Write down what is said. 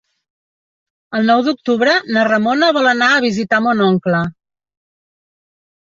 El nou d'octubre na Ramona vol anar a visitar mon oncle.